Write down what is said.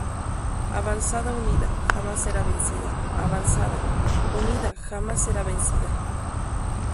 Avanzada unida, jamás será vencida, avanzada, unida jamás será vencida...